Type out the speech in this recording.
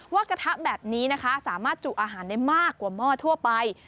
กระทะแบบนี้นะคะสามารถจุอาหารได้มากกว่าหม้อทั่วไป